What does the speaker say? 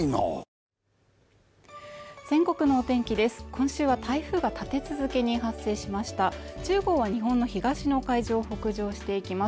今週は台風が立て続けに発生しました１０号は日本の東の海上を北上していきます